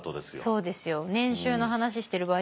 そうですよ。